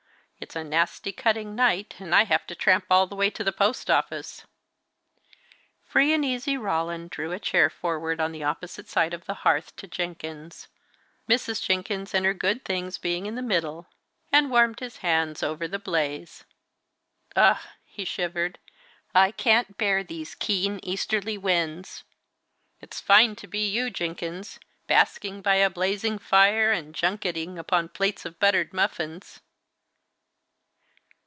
It's a nasty cutting night, and I have to tramp all the way to the post office." Free and easy Roland drew a chair forward on the opposite side of the hearth to Jenkins, Mrs. Jenkins and her good things being in the middle, and warmed his hands over the blaze. "Ugh!" he shivered, "I can't bear these keen, easterly winds. It's fine to be you, Jenkins! basking by a blazing fire, and junketing upon plates of buttered muffins!"